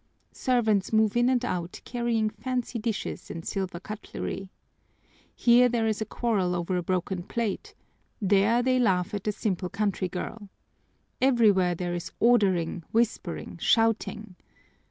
Servants move in and out carrying fancy dishes and silver cutlery. Here there is a quarrel over a broken plate, there they laugh at the simple country girl. Everywhere there is ordering, whispering, shouting.